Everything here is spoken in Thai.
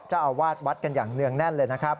จะอรวาดวัดกันอย่างเนืองแน่น